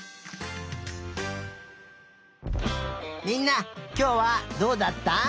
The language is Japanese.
みんなきょうはどうだった？